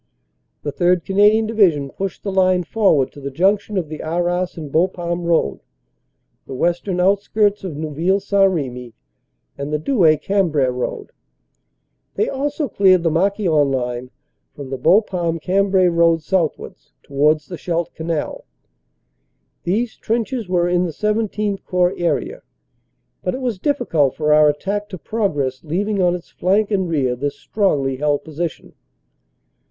The 3rd. Canadian Division pushed the line forward to the junction of the Arras and Bapaume Road, the western outskirts of Neuville St. Remy and the Douai Cambrai Road. They also cleared the Marquion line from the Bapaume Cambrai road southwards 246 CANADA S HUNDRED DAYS towards the Scheldt Canal. These trenches were in the XVII Corps area, but it was difficult for our attack to progress leav ing on its flank and rear this strongly held position.